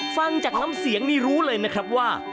ฟังจากน้ำเสียงนี่รู้เลยนะครับว่า